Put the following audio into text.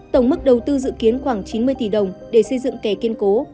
tổng mức đầu tư dự kiến khoảng chín mươi tỷ đồng để xây dựng kè kiên cố